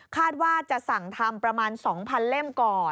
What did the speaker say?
คาดว่าจะสั่งทำประมาณ๒๐๐เล่มก่อน